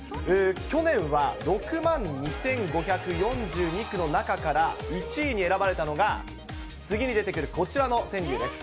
去年は６万２５４２句の中から１位に選ばれたのが、次に出てくる、こちらの川柳です。